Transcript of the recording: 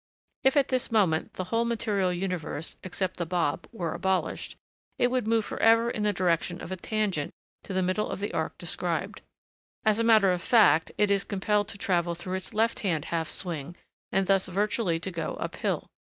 If, at this moment, the whole material universe, except the bob, were abolished, it would move for ever in the direction of a tangent to the middle of the arc described. As a matter of fact, it is compelled to travel through its left hand half swing, and thus virtually to go up hill.